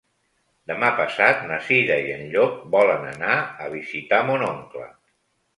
Demà passat na Cira i en Llop volen anar a visitar mon oncle.